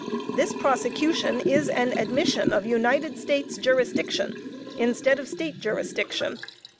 This prosecution is an admission of United States jurisdiction, instead of State jurisdiction.